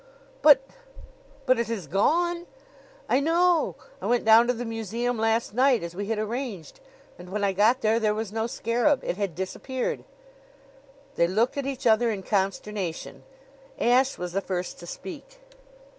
"But but it has gone!" "I know. I went down to the museum last night, as we had arranged; and when I got there there was no scarab. It had disappeared." They looked at each other in consternation. Ashe was the first to speak.